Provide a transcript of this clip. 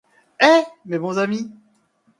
Eh, mes bons amis !